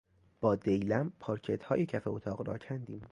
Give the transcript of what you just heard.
با دیلم پارکتهای کف اتاق را کندیم.